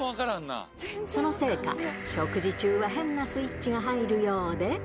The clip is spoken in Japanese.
そのせいか、食事中は変なスイッチが入るようで。